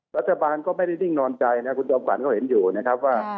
รัฐบาลก็ไม่ได้นิ่งนอนใจนะคุณจอมขวัญเขาเห็นอยู่นะครับว่า